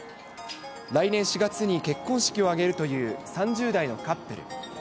来年４月に結婚式を挙げるという３０代のカップル。